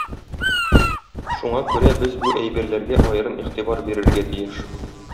Шуңа күрә без бу әйберләргә аерым игътибар бирергә тиеш.